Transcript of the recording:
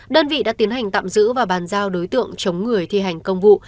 đơn vị đã tiến hành tạm giữ và bàn giao đối tượng chống người thi hành công vụ